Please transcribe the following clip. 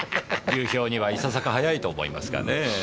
流氷にはいささか早いと思いますがねぇ。